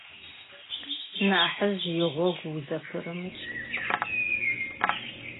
Нахьыжь игъогу узэпырымыкӏ.